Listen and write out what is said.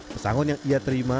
pesangon yang ia terima